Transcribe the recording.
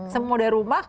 semua dari rumah